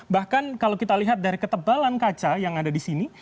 bahkan kalau kita lihat dari ketebalan kaca yang ada di sini